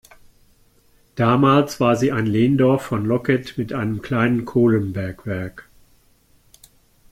Damals war sie ein Lehndorf von Loket mit einem kleinen Kohlenbergwerk.